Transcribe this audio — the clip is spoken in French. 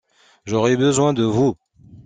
J’aurai besoin de vous.